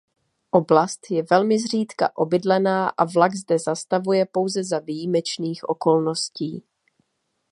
Oblast je velmi zřídka obydlená a vlak zde zastavuje pouze za výjimečných okolností.